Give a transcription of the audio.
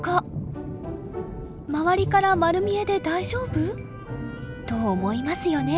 周りから丸見えで大丈夫？と思いますよね。